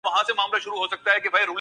ہماری سوچ ‘ ہمارے رویے پرانے ہیں۔